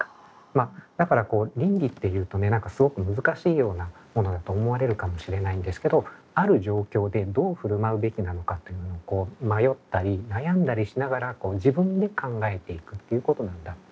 まあだから倫理っていうとね何かすごく難しいようなものだと思われるかもしれないんですけどある状況でどう振る舞うべきなのかっていうものを迷ったり悩んだりしながら自分で考えていくということなんだろう。